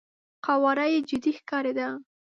قواره يې جدي ښکارېده.